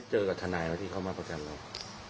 เจอกับทนายว่าที่เขามาประกันแล้ว